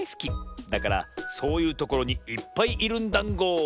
だからそういうところにいっぱいいるんだんご。